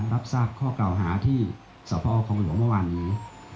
รับทราบข้อเก่าหาที่สพคลองหลวงเมื่อวานนี้